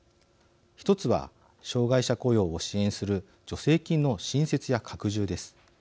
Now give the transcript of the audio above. １つは障害者雇用を支援する助成金の新設や拡充です。